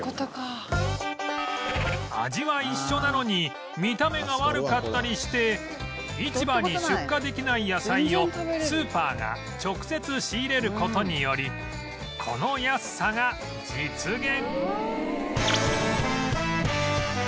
味は一緒なのに見た目が悪かったりして市場に出荷できない野菜をスーパーが直接仕入れる事によりこの安さが実現